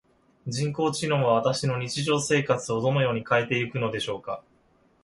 人工知能は私の日常生活をどのように変えていくのでしょうか？